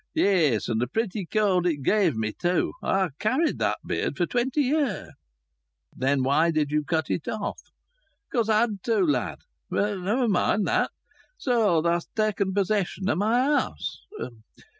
"Yes, and a pretty cold it give me, too! I'd carried that beard for twenty year." "Then why did you cut it off?" "Because I had to, lad. But never mind that. So thou'st taken possession o' my house?"